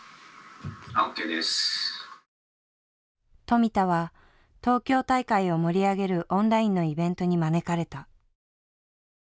富田は東京大会を盛り上げるオンラインのイベントに招かれた。